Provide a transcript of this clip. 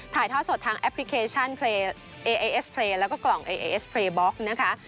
ถ่ายทอดสดทางแอปพลิเคชันเอเอสเพลย์แล้วก็กล่องเอเอสเพลย์บล็อกนะคะ